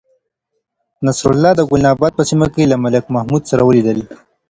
نصرالله د گلناباد په سیمه کې له ملک محمود سره ولیدل.